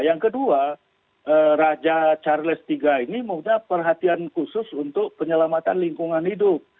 yang kedua raja charles iii ini mempunyai perhatian khusus untuk penyelamatan lingkungan hidup